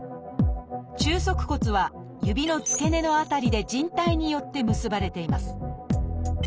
中足骨は指の付け根の辺りでじん帯によって結ばれています。